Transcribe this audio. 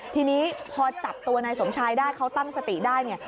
ทีนี้พอจับตัวนายสมชายได้เขาตั้งสติได้เนี่ย